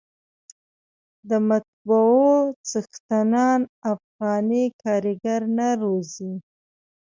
د مطبعو څښتنان افغاني کارګر نه روزي.